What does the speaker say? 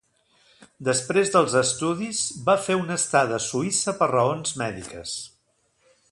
Després dels estudis, va fer una estada a Suïssa per raons mèdiques.